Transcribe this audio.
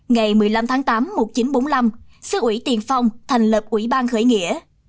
ngày một mươi năm tháng tám một nghìn chín trăm bốn mươi năm sứ ủy tiền phong thành lập ủy ban khởi nghĩa